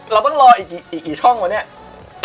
เราต้องรออีกกี่ช่องวะเนี่ย